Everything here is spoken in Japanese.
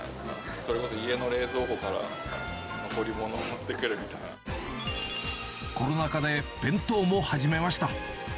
それこそ家の冷蔵庫から、残り物コロナ禍で弁当も始めました。